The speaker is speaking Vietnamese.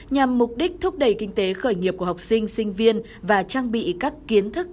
nhằm mục đích thúc đẩy kinh tế khởi nghiệp của học sinh sinh viên và trang bị các kiến thức